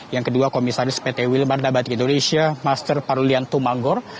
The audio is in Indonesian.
yang kedua komisaris pt wilmar dabatik indonesia master parulian tumanggor